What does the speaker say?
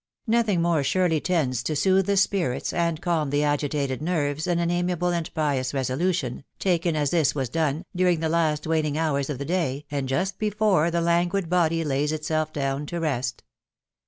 Nothing more surely tends to sooth the spirits and calm the agitated nerves than an amiable and pious resolution, taken, as this was done, during the last waning hours of the day, and just before the languid body lays itself down to rest.